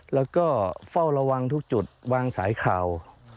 แล้วก็เฝ้าระวังทุกจุดวางสายข่าว